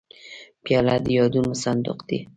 پیاله د یادونو صندوق ده.